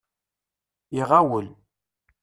Iɣawel.